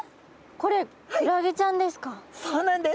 これそうなんです。